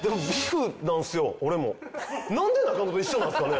なんで中野と一緒なんですかね？